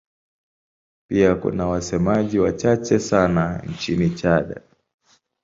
Pia kuna wasemaji wachache sana nchini Chad.